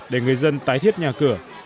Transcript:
để người dân tái thiết nhà cửa